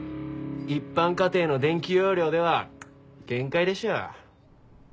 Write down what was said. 一般家庭の電気容量では限界でしょ。